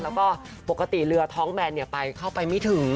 แล้วก็ปกติเรือท้องแบนไปเข้าไปไม่ถึง